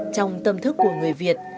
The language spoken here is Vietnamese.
trong tâm thức của người việt